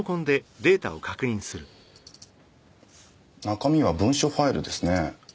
中身は文書ファイルですね。